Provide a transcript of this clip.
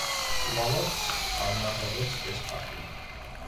კვლავაც არ მაღელვებს ეს ფაქტი.